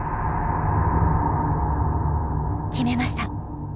決めました。